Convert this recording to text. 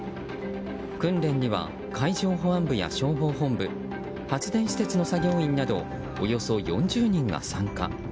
訓練には海上保安部や消防本部発電施設の作業員などおよそ４０人が参加。